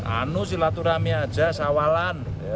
anu silaturahmi aja sawalan